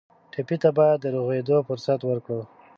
ټپي ته باید د روغېدو فرصت ورکړو.